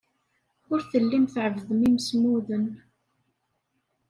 Ur tellim tɛebbdem imsemmuden.